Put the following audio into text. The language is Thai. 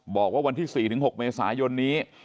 บอกว่าวันที่๔๖เมษายนนี้